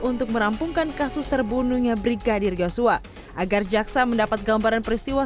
untuk merampungkan kasus terbunuhnya brigadir yosua agar jaksa mendapat gambaran peristiwa